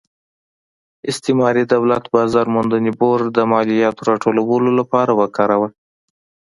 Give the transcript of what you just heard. استعماري دولت بازار موندنې بورډ د مالیاتو راټولولو لپاره وکاراوه.